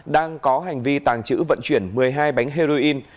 đang có hành vi tàng trữ vận chuyển một mươi hai bánh heroin